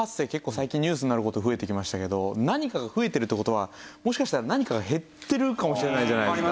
最近ニュースになる事増えてきましたけど何かが増えてるって事はもしかしたら何かが減ってるかもしれないじゃないですか。